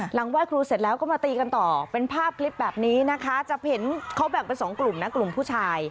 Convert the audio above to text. ไหว้ครูเสร็จแล้วก็มาตีกันต่อเป็นภาพคลิปแบบนี้นะคะจะเห็นเขาแบ่งเป็นสองกลุ่มนะกลุ่มผู้ชาย